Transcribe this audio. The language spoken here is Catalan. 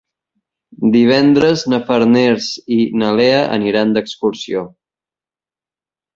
Divendres na Farners i na Lea aniran d'excursió.